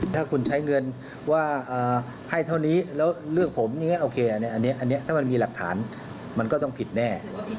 ถ้าคุณใช้เงินว่าให้เท่านี้แล้วเลือกผมอย่างนี้โอเคอันนี้ถ้ามันมีหลักฐานมันก็ต้องผิดแน่